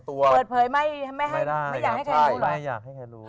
เปิดเผยไม่ให้ไม่ได้ไม่อยากให้ใครรู้